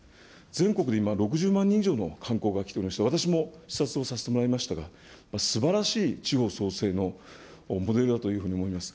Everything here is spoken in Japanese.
全国で今、６０万人以上の観光客が来ていまして、私も視察をさせてもらいましたが、すばらしい地方創生のモデルだというふうに思います。